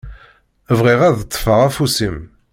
Bɣiɣ ad ṭṭfeɣ afus-im.